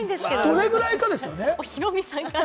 どれくらいかですね。